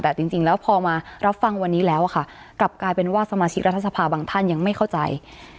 แต่จริงแล้วพอมารับฟังวันนี้แล้วค่ะกลับกลายเป็นว่าสมาชิกรัฐสภาบางท่านยังไม่เข้าใจ